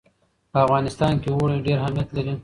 په افغانستان کې اوړي ډېر اهمیت لري.